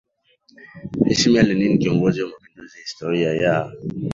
heshima ya Lenin kiongozi wa mapinduzi Historia ya